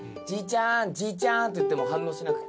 いたんで。って言っても反応しなくて。